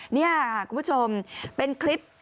นี่ค่ะคุณผู้ชมเป็นคลิป